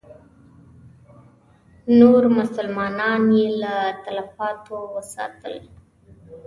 نور مسلمانان یې له تلفاتو وساتل.